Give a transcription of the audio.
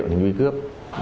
bằng những người cướp